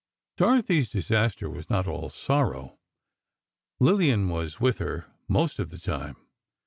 Dorothy's disaster was not all sorrow. Lillian was with her most of the time.